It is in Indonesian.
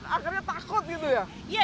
akhirnya takut gitu ya